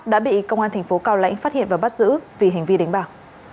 đã bị công an tp cao lãnh phát hiện và bắt giữ vì hành vi đánh bảo